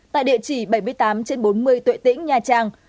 tại địa chỉ bảy mươi tám trên bốn mươi tuệ tĩnh nha trang